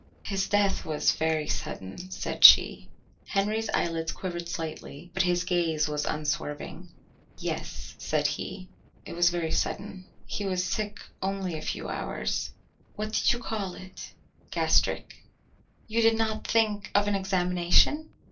"His death was very sudden," said she. Henry's eyelids quivered slightly but his gaze was unswerving. "Yes," said he; "it was very sudden. He was sick only a few hours." "What did you call it?" "Gastric." "You did not think of an examination?"